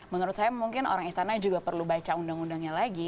menurut saya mungkin orang istana juga perlu baca undang undangnya lagi